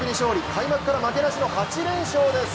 開幕から負けなしの８連勝です！